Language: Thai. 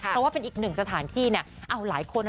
เราว่าเป็นอีกหนึ่งสถานที่เอาหลายคนนะ